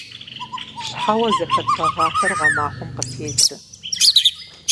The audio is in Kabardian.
Щхьэуэ зэхэт гъэгъахэр гъэмахуэм къыпедзэ.